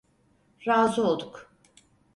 Razı olduk.